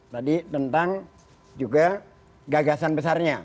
tadi tentang juga gagasan besarnya